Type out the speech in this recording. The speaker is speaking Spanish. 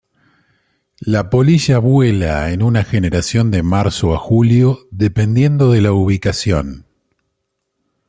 La polilla vuela en una generación de marzo a julio, dependiendo de la ubicación.